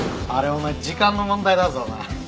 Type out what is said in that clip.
あれお前時間の問題だぞ。